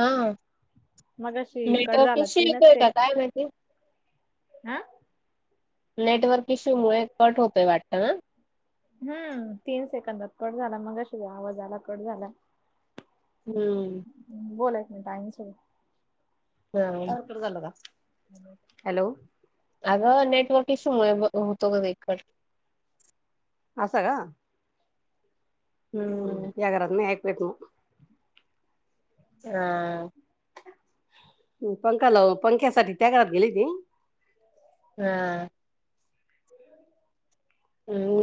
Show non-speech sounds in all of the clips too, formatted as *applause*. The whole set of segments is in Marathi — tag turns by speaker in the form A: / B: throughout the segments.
A: हा
B: मग अशी कड
A: नेटवर्क
B: झााला
A: इश्यू येतोय
B: तीनचते.
A: का काय माहिती
B: हा.
A: नेटवर्क इश्यू मुळे कट होतोय वाटत आ.
B: हम्म तीन सेकंदात कट झाला मग शिय आवाज आला कट झाला.
A: हम्म.
B: बोला एक मिनट आहेई सड *unintelligible*
A: हा.
B: हॅलो.
A: अगं नेटवर्क इशू मुळे होतं होतं कधी कट.
B: असा का.
A: हम्म
B: हम् ह्या घरात नाही ऐकू येत मग.
A: आ.
B: पंखा लाव पंख्यासाठी त्यागरात गेली ती.
A: हां.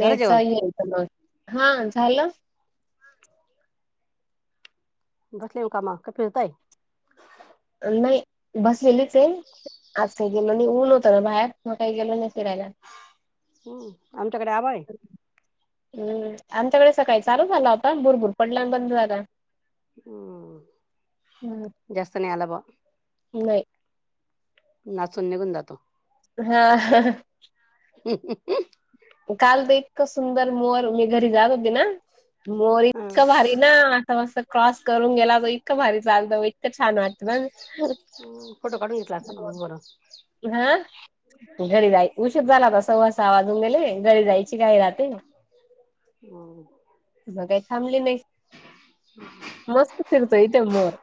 B: झालं जेवण
A: येल तर मग हा झालं.
B: बसले कामा का फिरताय.
A: नाही बसलेलीच आहे आज गेलो नाही ऊल होत ना बाहेर मग काही गेलो नाही फिरायला.
B: आमच्याकडे आवं आहे.
A: हम्म आमच्याकडे सकाळी चालु झाला होता भुरभुर पडल्यान बंद झाला हम्म
B: हम् जास्त नाही आलाभ
A: नाही
B: नाचून निघून जातो
A: हा.
B: ह *inaudible*
A: काल तर इतका सुंदर मोर मी घरी जात होती, ना मोर
B: हा
A: इतका भारी. ना आता मस्त क्रॉस करून गेला तरो इतकं भारी चालतं बाई. इतकं छान वाटत मग.
B: फोटो काढून घेतला असता ना मग बरं
A: हा घरी जाई उशीर झालाता सववासा आवाजून गेले. घरी जायची काही राहते मग काही थांबली नाही.
B: हम् *unintelligible*
A: मस्त सिरतोय तेे मोर.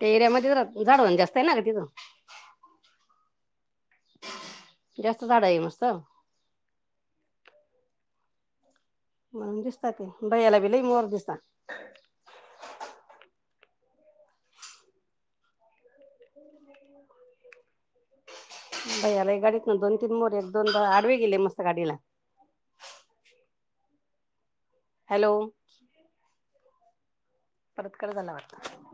B: तेऱ्या म झाड म्ह जास्त आहे ना का तिथं. जास्त झााडा आहे मस्त. म्हणून दिसत ते ब याला भि लई मर दिसत. भैला एक गाडीत ना दोन तीन मोर एक दोनदा आडवे गेले मस्त गाडीला. हॅलो. *inaudible* परत कत धन्यवाद.